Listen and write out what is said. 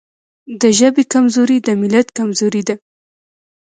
د ژبې کمزوري د ملت کمزوري ده.